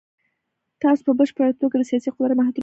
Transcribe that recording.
تاسو په بشپړه توګه له سیاسي قدرت محروم یاست.